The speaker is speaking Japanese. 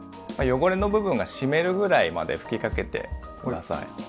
汚れの部分が湿るぐらいまで吹きかけて下さい。